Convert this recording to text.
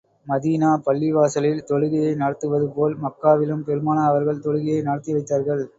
Medina பள்ளிவாசலில் தொழுகையை நடத்துவது போல், மக்காவிலும் பெருமானார் அவர்கள் தொழுகையை நடத்தி வைத்தார்கள்.